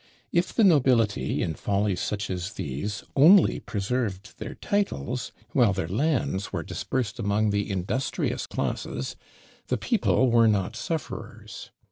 If the nobility, in follies such as these, only preserved their "titles," while their "lands" were dispersed among the industrious classes, the people were not sufferers.